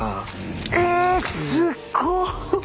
えすっご！